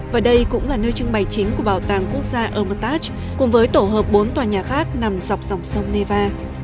và đây cũng là nơi trưng bày chính của bảo tàng quốc gia hermitage cùng với tổ hợp bốn tòa nhà khác nằm dọc dòng sông neva